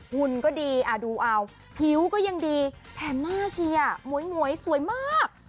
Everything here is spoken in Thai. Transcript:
หุ่นก็ดีดูเอาผิวก็ยังดีแถมน่าเชียร์หมวยสวยมาก